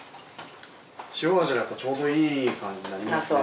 塩味がやっぱちょうどいい感じになりますね。